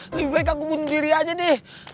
lebih baik aku bunuh diri aja deh